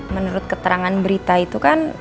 menurut keterangan berita itu kan